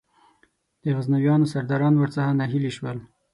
د غزنویانو سرداران ور څخه ناهیلي شول.